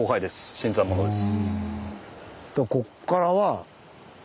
新参者です。